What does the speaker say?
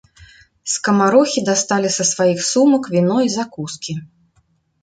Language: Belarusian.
Скамарохі дасталі са сваіх сумак віно і закускі.